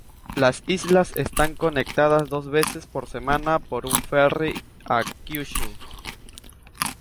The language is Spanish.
Las islas están conectadas dos veces por semana por un ferry a Kyushu.